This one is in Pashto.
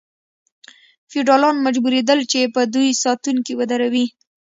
فیوډالان مجبوریدل چې په دوی ساتونکي ودروي.